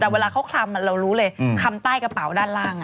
แต่เวลาเขาคลำเรารู้เลยคลำใต้กระเป๋าด้านล่าง